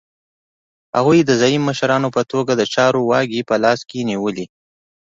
هغوی د ځايي مشرانو په توګه د چارو واګې په لاس کې نیولې.